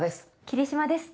霧島です。